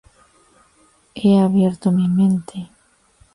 He abierto mi mente.